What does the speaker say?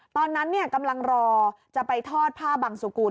ตอนนั้นกำลังรอจะไปทอดผ้าบังสุกูล